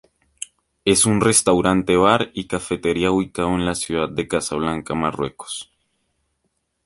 Es un restaurante, bar y cafetería ubicado en la ciudad de Casablanca, Marruecos.